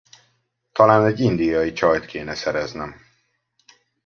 Talán egy indiai csajt kéne szereznem.